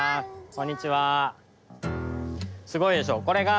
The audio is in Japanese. こんにちは。